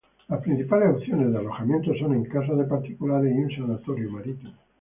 Las principales opciones de alojamiento son en casas de particulares y un sanatorio marítimo.